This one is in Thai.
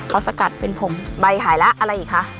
เขาสกัดเป็นผมใบหายแล้วอะไรอีกคะ